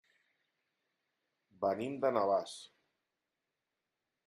Venim de Navàs.